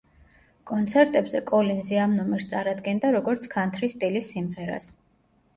კონცერტებზე კოლინზი ამ ნომერს წარადგენდა, როგორც ქანთრის სტილის სიმღერას.